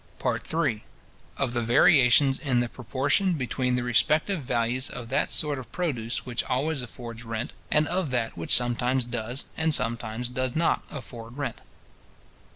PART III.—Of the variations in the Proportion between the respective Values of that sort of Produce which always affords Rent, and of that which sometimes does, and sometimes does not, afford Rent.